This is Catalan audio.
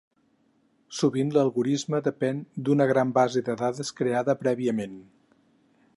Sovint, l'algorisme depèn d'una gran base de dades creada prèviament.